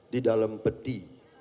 di dalam peti